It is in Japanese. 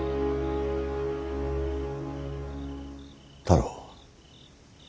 太郎。